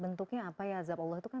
bentuknya apa ya azab allah itu kan